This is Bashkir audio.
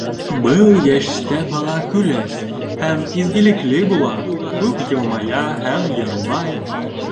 Был йәштә бала көләс һәм изгелекле була, күп йылмая һәм йырлай.